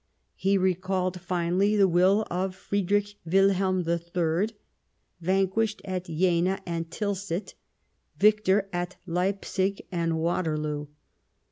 He recalled finally the will of Friedrich Wilhelm III, vanquished at Jena and Tilsit, victor at Leipzig and Waterloo.